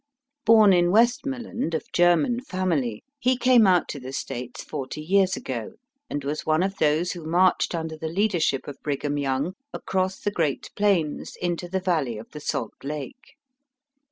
Born in West moreland, of German family, he came out to the States forty years ago, and was one of those who marched under the leadership of Brigham Young across the great plaihs into the Valley of the Salt Lake.